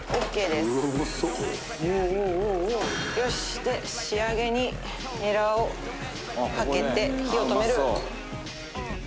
で仕上げにニラをかけて火を止める。